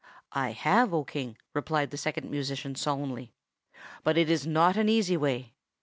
"I have, O King," replied the Second Musician solemnly; "but it is not an easy way.